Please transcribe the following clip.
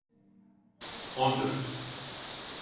On dört.